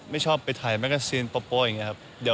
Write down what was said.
ชอบไปถ่ายแกซีนโป๊ะอย่างนี้ครับ